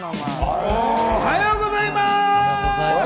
おはようございます。